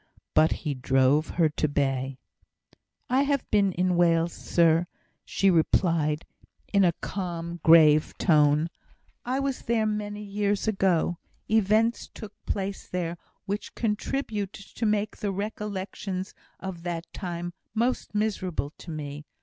But he drove her to bay. "I have been in Wales, sir," she replied, in a calm, grave tone. "I was there many years ago. Events took place there, which contribute to make the recollection of that time most miserable to me.